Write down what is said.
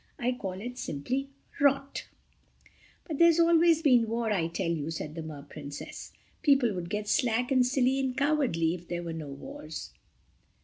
I call it simply rot." "But there always has been war I tell you," said the Mer Princess. "People would get slack and silly and cowardly if there were no wars."